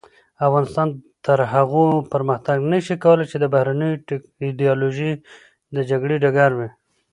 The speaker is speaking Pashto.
افغانستان تر هغو پرمختګ نشي کولای چې د بهرنیو ایډیالوژیو د جګړې ډګر وي.